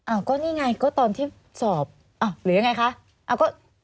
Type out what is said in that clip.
อ้าวก็นี่ไงก็ตอนที่สอบอ้าวหรือยังไงคะ